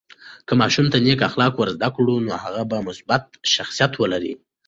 که ماشوم ته نیک اخلاق ورزده کړو، نو هغه به مثبت شخصیت ولري.